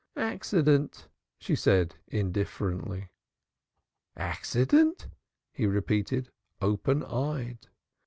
"Accident," she said indifferently. "Accident!" he repeated, open eyed.